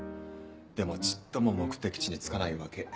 でもちっとも目的地に着かないわけ。